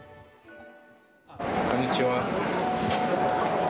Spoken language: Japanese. こんにちは。